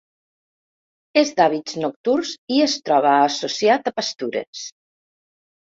És d'hàbits nocturns i es troba associat a pastures.